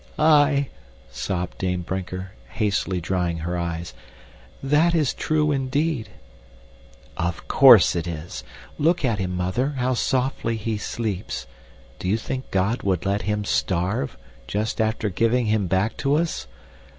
"Aye!" sobbed Dame Brinker, hastily drying her eyes. "That is true indeed." "Of course it is. Look at him, Mother, how softly he sleeps. Do you think God would let him starve, just after giving him back to us?